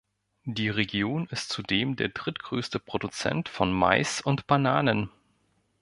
Die Region ist zudem der drittgrößte Produzent von Mais und Bananen.